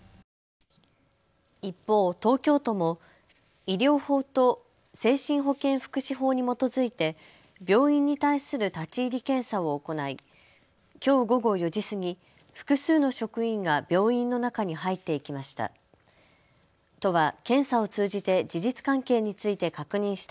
一方、東京都も医療法と精神保健福祉法に基づいて病院に対する立ち入り検査を行いきょう午後４時過ぎ、複数の職員が病院の中に入っていきました。